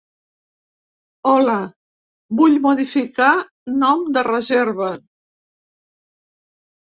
Hola, vull modificar nom de reserva.